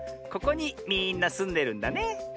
ここにみんなすんでるんだね。